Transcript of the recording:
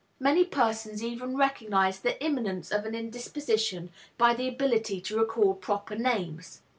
Many persons even recognize the imminence of an indisposition by the inability to recall proper names.